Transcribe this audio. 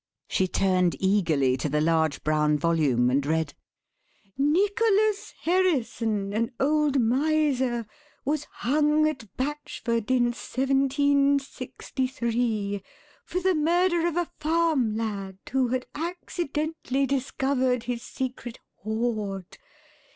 She turned eagerly to the large brown volume and read: "'Nicholas Herison, an old miser, was hung at Batchford in 1763 for the murder of a farm lad who had accidentally discovered his secret hoard.